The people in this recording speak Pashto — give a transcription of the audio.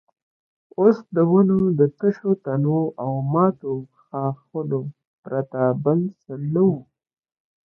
اوس د ونو د تشو تنو او ماتو ښاخلو پرته بل څه نه وو.